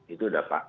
itu udah pak